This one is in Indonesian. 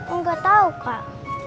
enggak tau kak